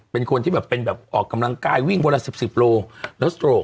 เป็นคนที่แบบเป็นแบบออกกำลังกายวิ่งวันละสิบสิบโลแล้วสโตรก